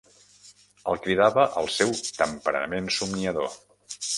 El cridava el seu temperament somniador.